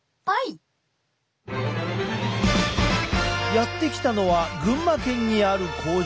やって来たのは群馬県にある工場。